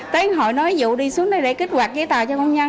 tới hồi nói vụ đi xuống đây để kích hoạt giấy tài cho công nhân